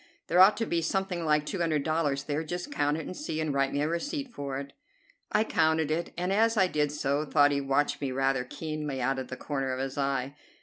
"There ought to be something like two hundred dollars there. Just count it and see, and write me a receipt for it." I counted it, and, as I did so, thought he watched me rather keenly out of the corner of his eye.